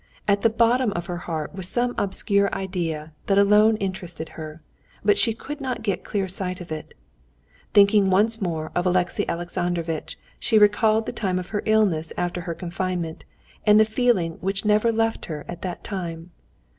At the bottom of her heart was some obscure idea that alone interested her, but she could not get clear sight of it. Thinking once more of Alexey Alexandrovitch, she recalled the time of her illness after her confinement, and the feeling which never left her at that time.